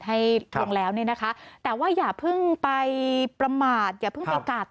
ให้พรุงแล้วนี่นะคะแต่ว่าอย่าพึ่งไปประมาทอย่าพึ่งประกาศ